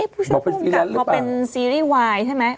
พูดช่วยผู้กับเพราะเป็นซีรีส์วายใช่ไหม